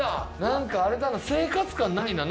なんかあれだな生活感ないな。